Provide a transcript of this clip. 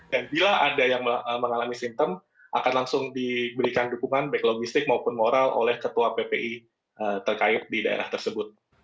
dan bila ada yang mengalami simptom akan langsung diberikan dukungan baik logistik maupun moral oleh ketua ppi terkait di daerah tersebut